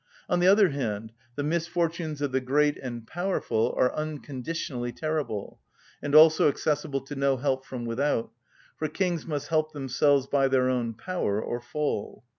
On the other hand, the misfortunes of the great and powerful are unconditionally terrible, and also accessible to no help from without; for kings must help themselves by their own power, or fall.